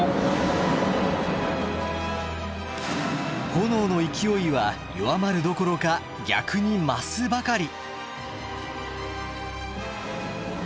炎の勢いは弱まるどころか逆に増すばかり。